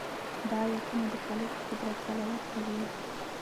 دا آیتونه د خالق په قدرت دلالت کوي.